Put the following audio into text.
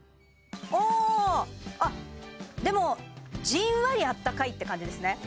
おあっでもじんわりあったかいって感じですね